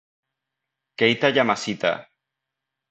Keita Yamashita